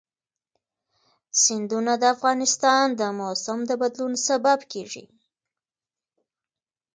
سیندونه د افغانستان د موسم د بدلون سبب کېږي.